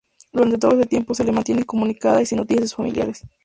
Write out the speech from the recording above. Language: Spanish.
Durante todo este tiempo se le mantiene incomunicada y sin noticias de sus familiares.